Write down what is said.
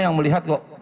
yang melihat kok